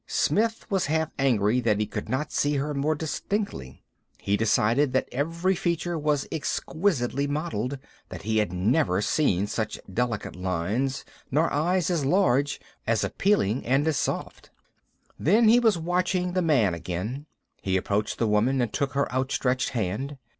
Smith was half angry that he could not see her more distinctly. He decided that every feature was exquisitely modeled, that he had never seen such delicate lines, nor eyes as large, as appealing and as soft. Then he was watching the man again. He approached the woman and took her outstretched hand.